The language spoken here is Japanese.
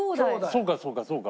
そうかそうかそうか。